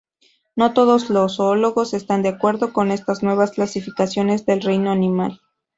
No todos los zoólogos están de acuerdo con estas "nuevas clasificaciones" del reino animal.